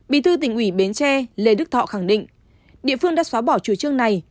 bị thư tỉnh ủy bến tre lê đức thọ khẳng định địa phương đã xóa bỏ chuối chương này